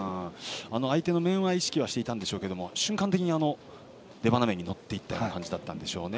相手の面は意識はしていたんでしょうけど瞬間的に出ばな面に乗っていった感じだったんでしょうね。